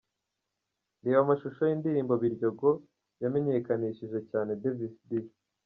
Reba amashusho y'indirimbo 'Biryogo' yamenyekanishije cyane Davis D.